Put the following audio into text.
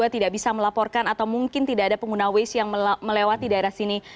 tidak bisa melaporkan atau mungkin tidak ada pengguna waste yang melewati daerah sini